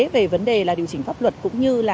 về vấn đề là điều chỉnh pháp luật cũng như là